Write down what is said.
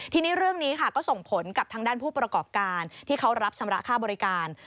ทีนี้เรื่องนี้ค่ะก็ส่งผลกับทางด้านผู้ประกอบการที่เขารับชำระค่าบริการ